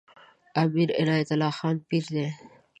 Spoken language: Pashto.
امیر عنایت الله خان پیر دی.